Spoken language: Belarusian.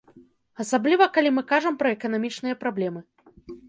Асабліва калі мы кажам пра эканамічныя праблемы.